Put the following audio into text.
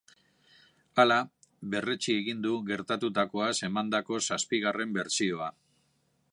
Hala, berretsi egin du gertatutakoaz emandako zazpigarren bertsioa.